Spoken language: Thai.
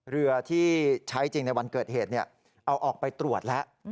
เรือที่ใช้จริงในวันเกิดเหตุเอาออกไปตรวจแล้ว